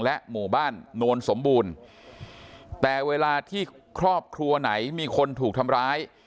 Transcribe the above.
หมู่บ้านโนนสมบูรณ์แต่เวลาที่ครอบครัวไหนมีคนถูกทำร้าย